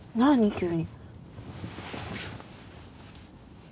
急に。